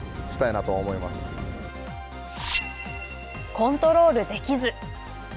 コントロールできず。